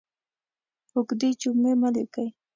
اوږدې جملې مه لیکئ!